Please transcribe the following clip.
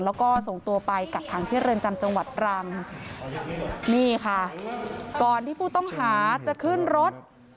แล้วก็ส่งตัวไปกักขังที่เรือนจำจังหวัดรังนี่ค่ะก่อนที่ผู้ต้องหาจะขึ้นรถ